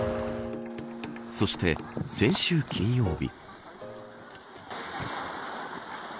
そして、先週金曜日。